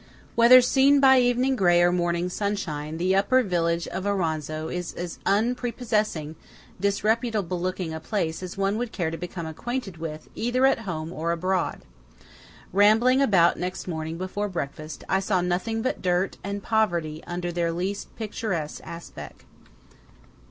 Whether seen by evening grey or morning sunshine, the upper village of Auronzo is as unprepossessing, disreputable looking a place as one would care to become acquainted with either at home or abroad. Rambling about next morning before breakfast, I saw nothing but dirt and poverty under their least picturesque aspect.